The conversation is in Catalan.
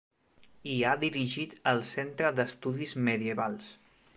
Hi ha dirigit el Centre d'Estudis Medievals.